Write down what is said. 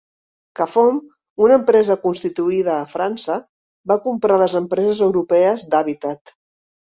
Cafom, una empresa constituïda a França, va comprar les empreses europees d'Habitat.